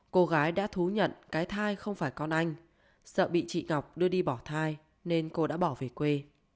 cô gái đã thú nhận cái thai không phải con anh sợ bị chị ngọc đưa đi bỏ thai nên cô đã bỏ về quê